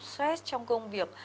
stress trong công việc